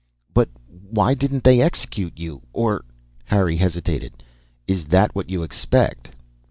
"But why didn't they execute you? Or " Harry hesitated "is that what you expect?"